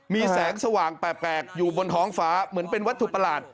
มีแสงสว่างแปลกอยู่บนท้องฟ้าเหมือนเป็นวัตถุประหลาด